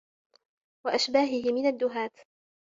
وَأَشْبَاهِهِ مِنْ الدُّهَاةِ